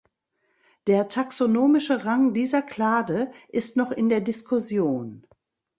Der taxonomische Rang dieser Klade ist noch in der Diskussion.